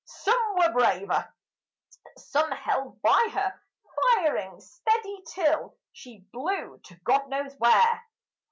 some were braver; Some held by her, firing steady till she blew to God knows where."